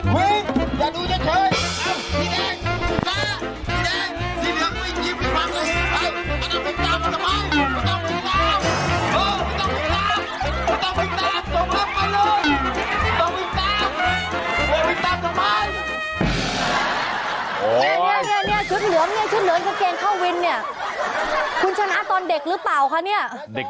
คุณชนะตอนเด็กหรือเปล่าคะ